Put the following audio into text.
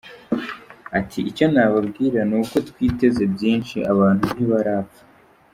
Ati “Icyo nababwira ni uko twiteze byinshi, abantu ntibarapfa.